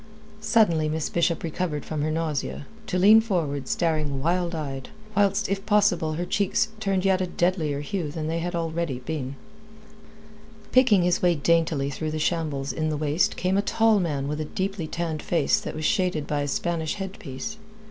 Suddenly Miss Bishop recovered from her nausea, to lean forward staring wild eyed, whilst if possible her cheeks turned yet a deadlier hue than they had been already. Picking his way daintily through that shambles in the waist came a tall man with a deeply tanned face that was shaded by a Spanish headpiece.